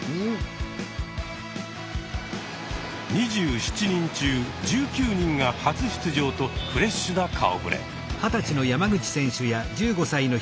２７人中１９人が初出場とフレッシュな顔ぶれ。